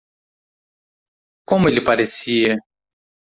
Como ele parecia?